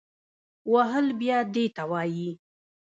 وهل بیا دې ته وایي